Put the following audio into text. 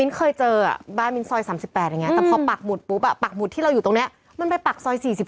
เคยเจอบ้านมิ้นซอย๓๘อย่างนี้แต่พอปักหมุดปุ๊บปากหมุดที่เราอยู่ตรงนี้มันไปปากซอย๔๔